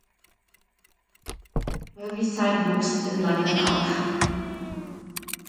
Heaviside wuchs in London auf.